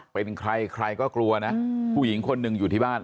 เป็นใครใครก็กลัวนะผู้หญิงคนหนึ่งอยู่ที่บ้าน